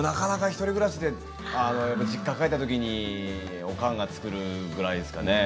実家に帰ったときにおかんが作るぐらいですかね。